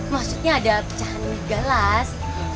maksudnya ada pecahan gelas